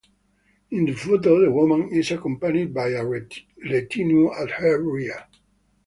In the photo, the woman is accompanied by a retinue at her rear.